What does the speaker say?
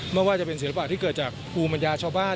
ไม่ว่าจะเป็นศิลปะที่เกิดจากภูมิปัญญาชาวบ้าน